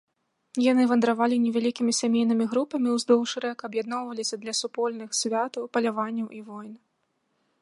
Яны вандравалі невялікімі сямейнымі групамі ўздоўж рэк, аб'ядноўваліся для супольных святаў, паляванняў і войн.